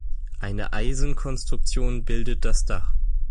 Eine Eisenkonstruktion bildet das Dach.